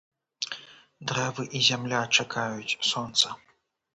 Дрэвы і зямля чакаюць сонца.